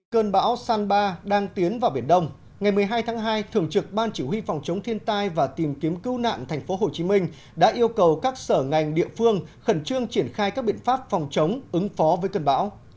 cơn bão san ba đang tiến vào biển đông ngày một mươi hai tháng hai thường trực ban chỉ huy phòng chống thiên tai và tìm kiếm cứu nạn tp hcm đã yêu cầu các sở ngành địa phương khẩn trương triển khai các biện pháp phòng chống ứng phó với cơn bão